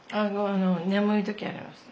眠い時あります。